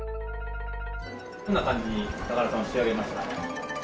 どんな感じに高田さんを仕上げました？